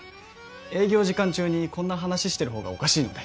営業時間中にこんな話してる方がおかしいので。